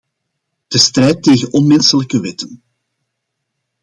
De strijd tegen onmenselijke wetten.